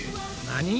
何！？